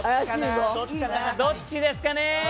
どっちですかね。